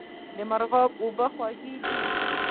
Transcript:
د مرغاب اوبه خوږې دي